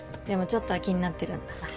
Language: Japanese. でもちょっとは気になってるんだ。